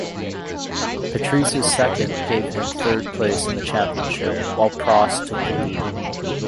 Patrese's second gave him third place in the championship, while Prost took the lead.